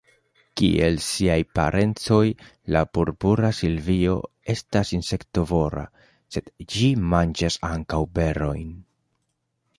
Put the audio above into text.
Kiel siaj parencoj, la Purpura silvio estas insektovora, sed ĝi manĝas ankaŭ berojn.